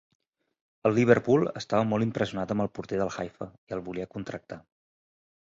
El Liverpool estava molt impressionat amb el porter del Haifa i el volia contractar.